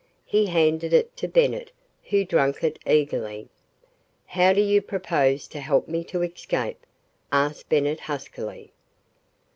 He handed it to Bennett, who drank it eagerly. "How do you propose to help me to escape?" asked Bennett huskily.